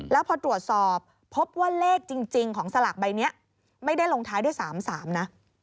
แล้วพอตรวจสอบพบว่าเลขจริงของสลากใบนี้ไม่ได้ลงท้ายด้วย๓๓นะ